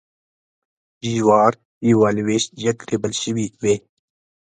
جوارېوه لویشت جګ ریبل شوي وې.